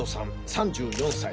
３４歳。